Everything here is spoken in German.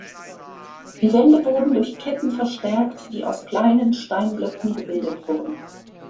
Die Wände wurden durch Ketten verstärkt, die aus kleinen Steinblöcken gebildet wurden.